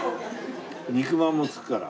肉まんも付くから。